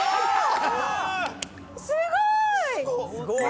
すごーい！」